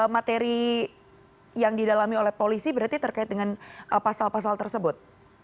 materi yang didalami oleh polisi berarti terkait dengan pasal pasal tersebut